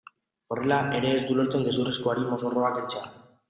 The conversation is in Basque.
Horrela ere ez du lortzen gezurrezkoari mozorroa kentzea.